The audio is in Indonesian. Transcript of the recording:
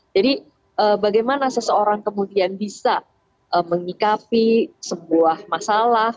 jadi bagaimana seseorang kemudian bisa mengikapi sebuah masalah